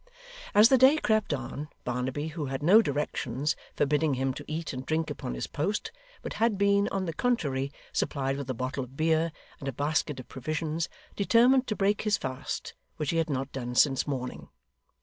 As the day crept on, Barnaby, who had no directions forbidding him to eat and drink upon his post, but had been, on the contrary, supplied with a bottle of beer and a basket of provisions, determined to break his fast, which he had not done since morning.